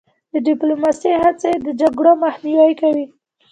د ډیپلوماسی هڅې د جګړو مخنیوی کوي.